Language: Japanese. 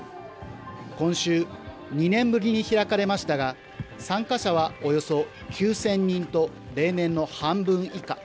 今週、２年ぶりに開かれましたが、参加者はおよそ９０００人と、例年の半分以下。